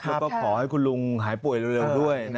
แล้วก็ขอให้คุณลุงหายป่วยเร็วด้วย